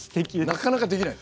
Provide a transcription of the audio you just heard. なかなかできない。